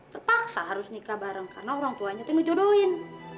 terpaksa harus nikah bareng karena orang tuanya tuh ngejodohin